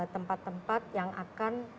tempat tempat yang akan